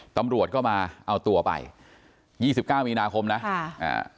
ตำรวจก็มาเอาตัวไปยี่สิบเก้ามีนาคมนะค่ะอ่า